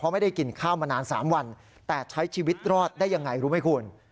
ไม่ได้กินข้าวมานาน๓วันแต่ใช้ชีวิตรอดได้ยังไงรู้ไหมคุณ